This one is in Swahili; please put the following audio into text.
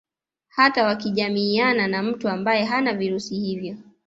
Hata wakijamiana na mtu ambaye hana virusi hivyo